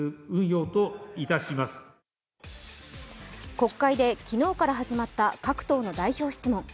国会で昨日から始まった各党の代表質問。